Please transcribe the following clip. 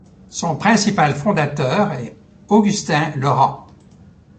Son principal fondateur est Augustin Laurent.